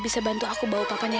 katanya ber guarantee